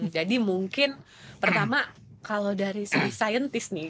jadi mungkin pertama kalau dari sisi saintis nih c